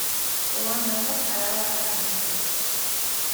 Gogoan daukat alaba bakarra nintzela.